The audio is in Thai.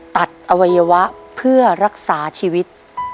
อวัยวะเพื่อรักษาชีวิต